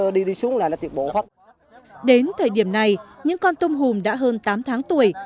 đến thời điểm này những con tôm hùm đã hơn tám tháng tuổi